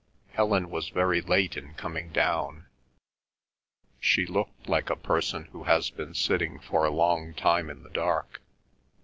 Helen was very late in coming down. She looked like a person who has been sitting for a long time in the dark.